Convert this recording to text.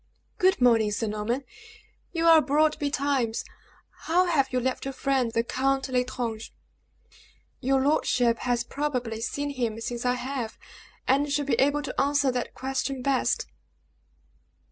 "Good morning, Sir Norman; you are abroad betimes. How have you left your friend, the Count L'Estrange?" "Your lordship has probably seen him since I have, and should be able to answer that question best."